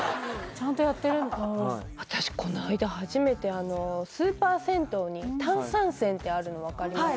ちゃんとやってる私この間初めてスーパー銭湯に炭酸泉ってあるの分かります？